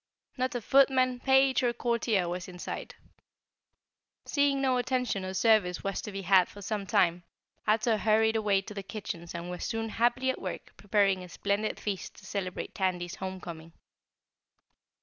Not a footman, page or courtier was in sight. Seeing no attention or service was to be had for some time, Ato hurried away to the kitchens and was soon happily at work preparing a splendid feast to celebrate Tandy's homecoming.